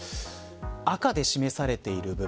赤で示されている部分